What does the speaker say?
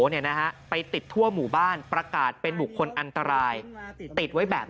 เนี่ยนะฮะไปติดทั่วหมู่บ้านประกาศเป็นบุคคลอันตรายติดไว้แบบ